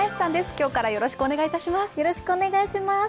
今日からよろしくお願いします。